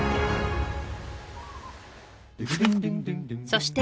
そして！